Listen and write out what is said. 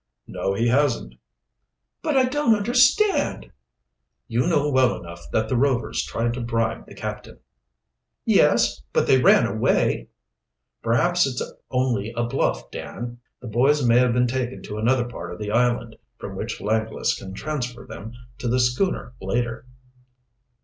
"No, he hasn't." "But I don't understand " "You know well enough that the Rovers tried to bribe the captain." "Yes, but they ran away " "Perhaps it's only a bluff, Dan. The boys may have been taken to another part of the island, from which Langless can transfer them to the schooner later."